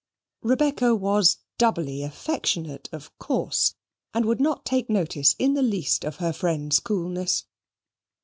Rebecca was doubly affectionate, of course, and would not take notice, in the least, of her friend's coolness.